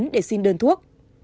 để xin đơn thuốc